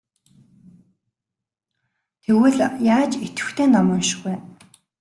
Тэгвэл яаж идэвхтэй ном унших вэ?